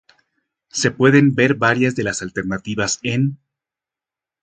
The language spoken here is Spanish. Se pueden ver varias de las alternativas en